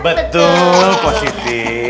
betul pak siti